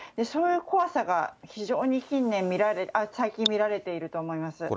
そういう怖さが非常に近年、最近見られていると思います。